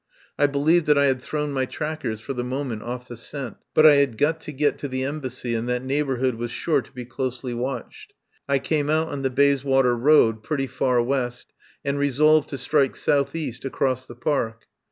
I be lieved that I had thrown my trackers for the moment of! the scent, but I had got to get to the Embassy, and that neighbourhood was sure to be closely watched. I came out on the Bayswater Road pretty far west, and resolved to strike south east across the Park.